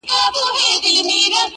o خو اختلاف لا هم شته ډېر,